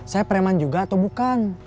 saya preman juga atau bukan